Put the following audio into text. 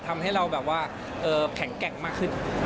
ทำให้เราแบบว่าแข็งแกร่งมากขึ้น